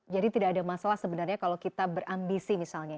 jadi tidak ada masalah sebenarnya kalau kita berambisi misalnya